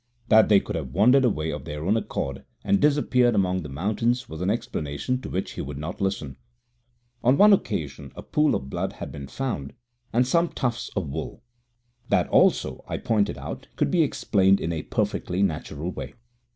That they could have wandered away of their own accord and disappeared among the mountains was an explanation to which he would not listen. On one occasion a pool of blood had been found, and some tufts of wool. That also, I pointed out, could be explained in a perfectly natural way.